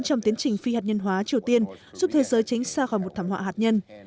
trong tiến trình phi hạt nhân hóa triều tiên giúp thế giới tránh xa khỏi một thảm họa hạt nhân